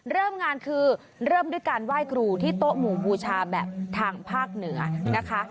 เริ่มงานคือเริ่มด้วยการไหว้ครูที่โต๊ะหมู่บูชาแบบทางภาคเหนือนะคะ